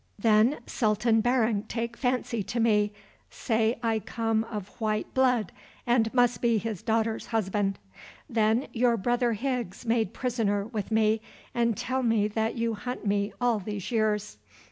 Then Sultan Barung take fancy to me, say I come of white blood and must be his daughter's husband. Then your brother Higgs made prisoner with me and tell me that you hunt me all these years.